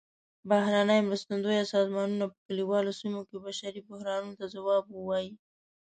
بهرنۍ مرستندویه سازمانونه په کلیوالو سیمو کې بشري بحرانونو ته ځواب ووايي.